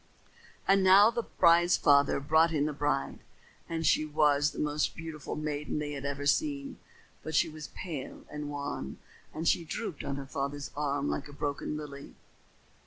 And now the bride's father brought in the bride, and she was the most beautiful maiden they had ever seen. But she was pale and wan and she drooped on her father's arm like a broken lily.